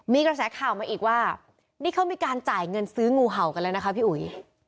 มีกระแสข่าวมาอีกว่านี่เขามีการจ่ายเงินซื้องูเห่ากันแล้วนะคะพี่อุ๋ย